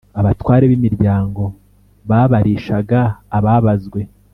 abatware b imiryango babarishaga ababazwe